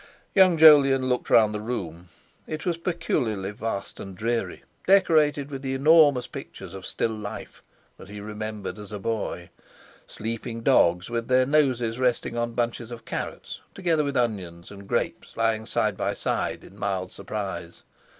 Young Jolyon looked round the room. It was peculiarly vast and dreary, decorated with the enormous pictures of still life that he remembered as a boy—sleeping dogs with their noses resting on bunches of carrots, together with onions and grapes lying side by side in mild surprise.